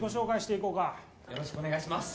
よろしくお願いします。